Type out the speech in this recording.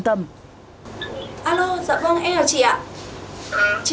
từ từng bạn một chữ